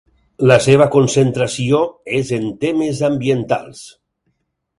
La seva concentració és en temes ambientals.